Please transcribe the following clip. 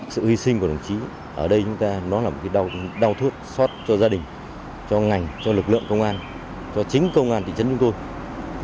sự hy sinh của đồng chí ở đây chúng ta nó là một cái đau thước xót cho gia đình cho ngành cho lực lượng công an cho chính công an thị trấn chúng tôi